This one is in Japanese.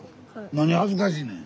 何恥ずかしいねん。